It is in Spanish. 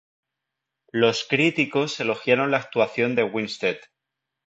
Los críticos elogiaron la actuación de Winstead.